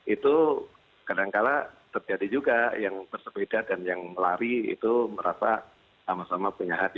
itu kadangkala terjadi juga yang bersepeda dan yang lari itu merasa sama sama penyahat